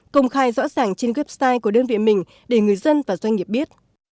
công khai rõ ràng trên website của đơn vị mình để người dân và doanh nghiệp biết